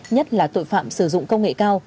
nhất là tội phạm sử dụng công nghệ cao